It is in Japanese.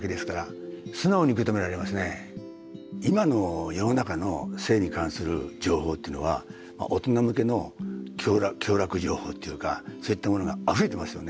今の世の中の性に関する情報っていうのは大人向けの享楽情報というかそういったものがあふれてますよね。